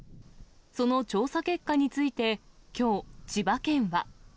その調査結果について、きょう、千葉県は。